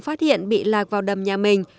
phát hiện bị lạc vào đầm nhà mình